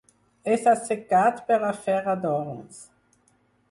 És assecat per a fer adorns.